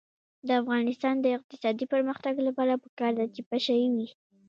د افغانستان د اقتصادي پرمختګ لپاره پکار ده چې پشه یي وي.